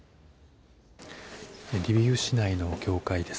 リビウ市内の教会です。